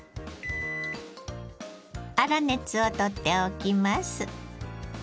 粗熱を取っておきます。